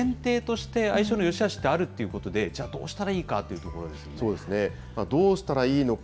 それ自体はありますからね、前提として相性のよしあしってあるっていうことで、じゃあどうしたらいいかというところですね。